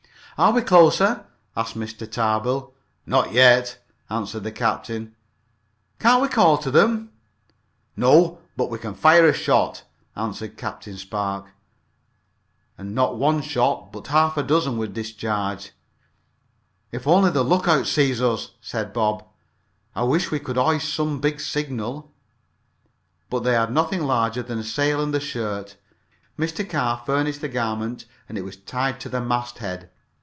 "Are we closer?" asked Mr. Tarbill. "Not yet!" answered the captain. "Can't we call to them?" "No but we can fire a shot," answered Captain Spark, and not one shot but half a dozen were discharged. "If only the lookout sees us," said Bob. "I wish we could hoist some big signal." But they had nothing larger than the sail and a shirt. Mr. Carr furnished the garment and it was tied to the masthead.